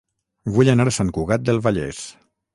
Vull anar a Sant Cugat del Vallès